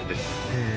へえ。